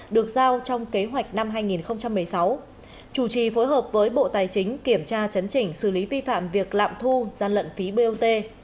được giao trong kế hoạch năm hai nghìn một mươi sáu chủ trì phối hợp với bộ tài chính kiểm tra chấn chỉnh xử lý vi phạm việc lạm thu gian lận phí bot